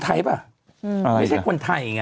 ไทยมา